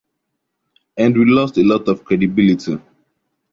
And we lost a lot of credibility.